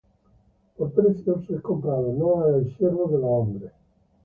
Por precio sois comprados; no os hagáis siervos de los hombres.